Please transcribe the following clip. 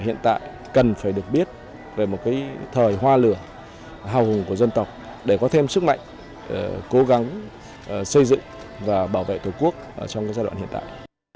hiện tại cần phải được biết về một thời hoa lửa hào hùng của dân tộc để có thêm sức mạnh cố gắng xây dựng và bảo vệ tổ quốc trong giai đoạn hiện tại